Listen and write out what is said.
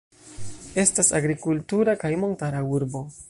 Estas agrikultura kaj montara urbo.